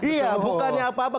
iya bukannya apa apa